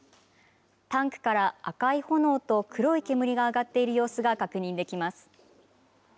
タンクから赤い炎と黒い煙が上がっている様子が確認できます。